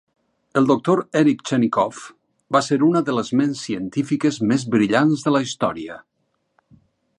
El doctor Eric Chanikov va ser una de les ments científiques més brillants de la història.